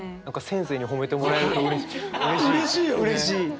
何か先生に褒めてもらえるとうれしい。